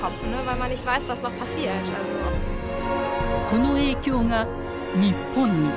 この影響が日本に。